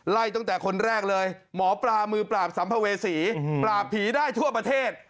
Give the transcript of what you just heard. ตั้งแต่คนแรกเลยหมอปลามือปราบสัมภเวษีปราบผีได้ทั่วประเทศ